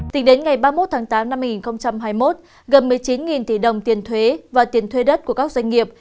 tính đến ngày ba mươi một tháng tám năm hai nghìn hai mươi một gần một mươi chín tỷ đồng tiền thuế và tiền thuê đất của các doanh nghiệp